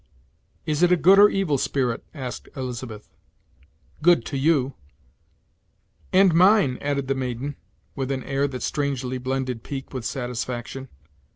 "Is it a good or evil spirit?" asked Elizabeth. "Good to you." "And mine," added the maiden, with an air that strangely blended pique with satisfaction.